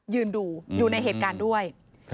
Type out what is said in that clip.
ยืนดูอยู่ในเหตุการณ์ด้วย